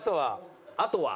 あとは？